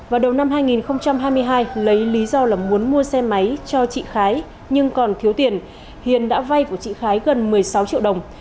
vào đầu năm hai nghìn hai mươi hai lấy lý do là muốn mua xe máy cho chị khái nhưng còn thiếu tiền hiền đã vay của chị khái gần một mươi sáu triệu đồng